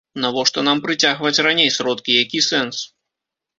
Навошта нам прыцягваць раней сродкі, які сэнс?